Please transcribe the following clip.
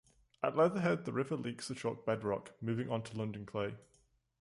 At Leatherhead the river leaves the chalk bedrock, moving onto London Clay.